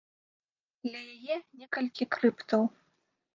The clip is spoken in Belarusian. Ля яе некалькі крыптаў.